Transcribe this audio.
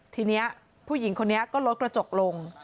ทีนี้ผู้หญิงคนนี้ก็ลดกระจกลง